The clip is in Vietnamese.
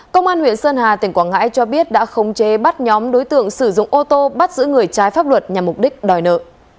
công an huyện sơn hà tỉnh quảng ngãi cho biết đã khống chế bắt nhóm đối tượng sử dụng ô tô bắt giữ người trái pháp luật nhằm mục đích đòi nợ